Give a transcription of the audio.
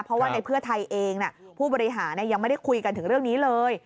เพราะว่าในเพื่อไทยเองผู้บริหารยังไม่ได้คุยกันถึงเรื่องนี้เลย